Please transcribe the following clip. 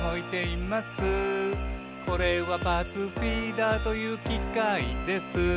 「これはパーツフィーダーというきかいです」